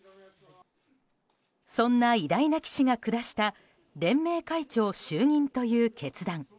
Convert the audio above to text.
そんな偉大な棋士が下した連盟会長就任という決断。